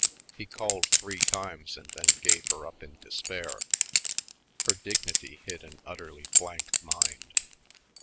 He called three times and then gave her up in despair. Her dignity hid an utterly blank mind.